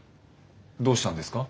どうしたんですか？